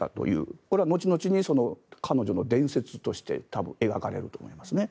これは後々に彼女の伝説として多分描かれると思いますね。